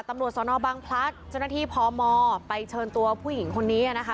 ตำรวจสนบังพลัดเจ้าหน้าที่พมไปเชิญตัวผู้หญิงคนนี้นะคะ